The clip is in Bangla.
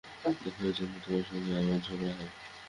দেখো, ঐজন্যে তোমার সঙ্গে আমার ঝগড়া হয়।